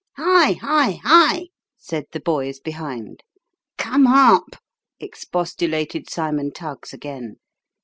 " Hi hi hi," said the boys behind. " Come up," expostulated Cymon Tuggs again.